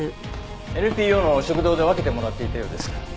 ＮＰＯの食堂で分けてもらっていたようです。